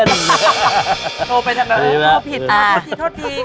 โทรไปทั้งเดียวโทรผิดโทรที